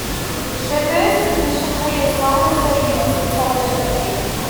They boost efficiency as long as they are used intelligently.